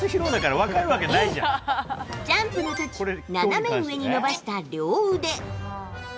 Ａ、ジャンプの時斜め上に伸ばした両腕。